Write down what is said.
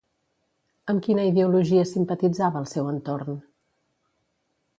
Amb quina ideologia simpatitzava el seu entorn?